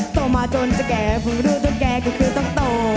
โตมาจนจะแก่พอรู้จุกแก่ก็คือต้องโต